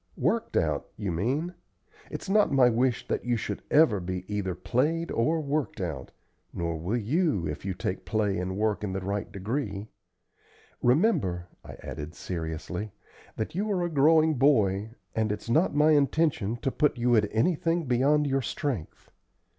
"Worked out, you mean. It's not my wish that you should ever be either played or worked out, nor will you if you take play and work in the right degree. Remember," I added, seriously, "that you are a growing boy, and it's not my intention to put you at anything beyond your strength.